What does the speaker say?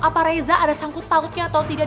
apa reza ada sangkut pautnya atau tidak